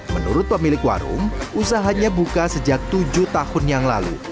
menurut pemilik warung usahanya buka sejak tujuh tahun yang lalu